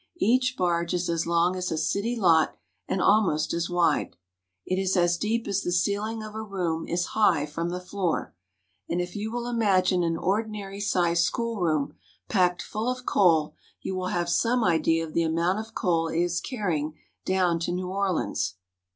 Each barge is as long as a city lot and almost as wide. It is as deep as the ceiling of a room is high from the floor, and if you wiU imagine an ordinary sized schoolroom packed full of coal, you will have some idea of the amount of coal it is carrying down to New Orleans.